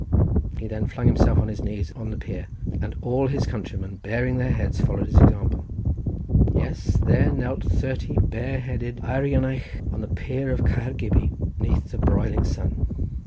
He then flung himself on his knees on the pier, and all his countrymen, baring their heads, followed his example—yes, there knelt thirty bare headed Eirionaich on the pier of Caer Gybi, beneath the broiling sun.